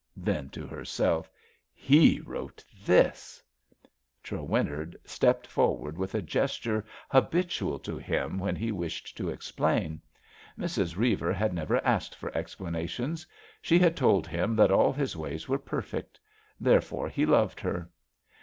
Then to her self i^' He wrote this 1 ^' Trewinnard stepped forward with a gesture habitual to him when he wished to explain. Mrs. Reiver had never asked for explanations. She had told him that all his ways were perfect. There fore he loved her.